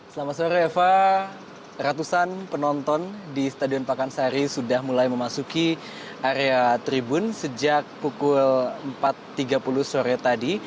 selamat sore eva ratusan penonton di stadion pakansari sudah mulai memasuki area tribun sejak pukul empat tiga puluh sore tadi